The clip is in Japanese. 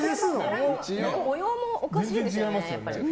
模様もおかしいですよね。